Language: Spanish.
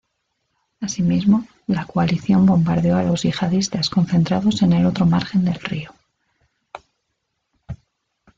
Asimismo, la coalición bombardeó a los yihadistas concentrados en el otro margen del río.